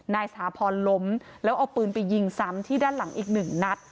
สถาพรล้มแล้วเอาปืนไปยิงซ้ำที่ด้านหลังอีกหนึ่งนัด